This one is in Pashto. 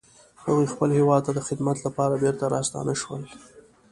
هغوی خپل هیواد ته د خدمت لپاره بیرته راستانه شول